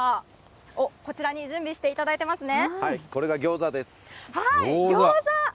おっ、こちらに準備していただいていますね。